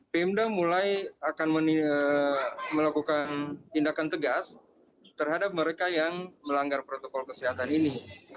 pemda mulai akan melakukan tindakan tegas terhadap mereka yang melanggar protokol kesehatan ini